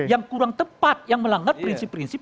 yang kurang tepat yang melanggar prinsip prinsip